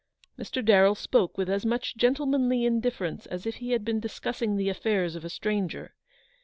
Mr. Darrell spoke with as much gentlemanly indifference as if he had been discussing the affairs of a stranger.